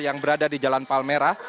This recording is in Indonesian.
yang berada di jalan palmerah